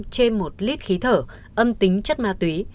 ba chê một lít khí thở âm tính chất ma túy